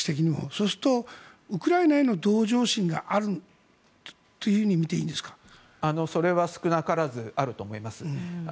そうすると、ウクライナへの同情心があるというふうにそれは少なからずあると思います。